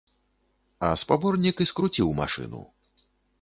А спаборнік і скруціў машыну.